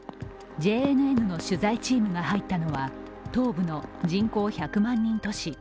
ＪＮＮの取材チームが入ったのは東部の人口１００万人都市